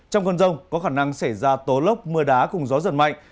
trong con rông có khả năng sẽ xảy ra tố lốc mưa đá cùng gió giật mạnh